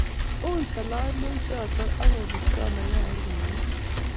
uei talamoichoto ak kobisto mayaik eng let